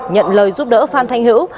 nhận lời giúp đỡ phan thanh hữu